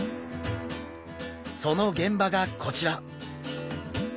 その現場がこちら！